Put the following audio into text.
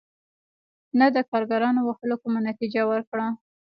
نه د کارګرانو وهلو کومه نتیجه ورکړه.